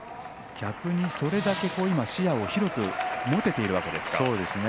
それだけ視野を広く持ててるわけですか。